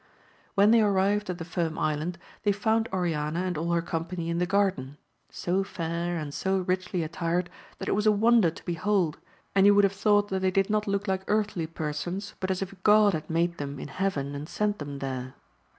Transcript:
When they arrived at the Firm Island, they found Oriana and all her company in the garden, so fair, and so richly attired, that it was a wonder to behold, and you would have thought that they did not look like earthly persons, but as if Grod had made them in heaven and sent them there.